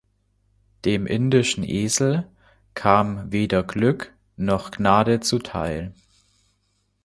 Dem indischen Esel kam weder Glück noch Gnade zuteil.